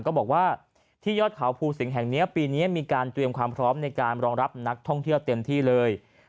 ก็บอกว่าที่ยอดเขาภูสิงห์แห่งนี้ปีนี้มีการเตรียมความพร้อมในการรองรับนักท่องเที่ยวเต็มที่เลย